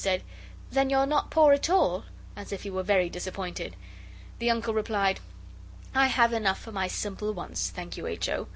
said, 'Then you're not poor at all?' as if he were very disappointed. The Uncle replied, 'I have enough for my simple wants, thank you, H. O.